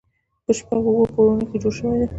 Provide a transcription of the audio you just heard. په شپږو اوو پوړونو کې جوړ شوی دی.